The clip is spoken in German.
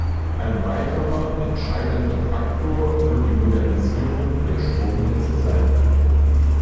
Ein weiterer entscheidender Faktor wird die Modernisierung der Stromnetze sein.